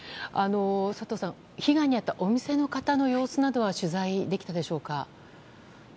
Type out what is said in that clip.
佐藤さん、被害に遭ったお店の方の様子などは取材できたでしょうか。